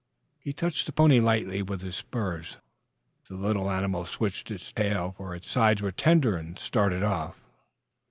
He touched the pony lightly with his spurs. The little animal switched its tail, for its sides were tender, and started off.